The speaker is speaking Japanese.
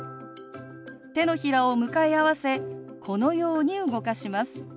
手のひらを向かい合わせこのように動かします。